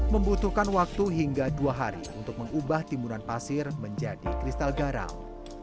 membutuhkan waktu hingga dua hari untuk mengubah timbunan pasir menjadi kristal garam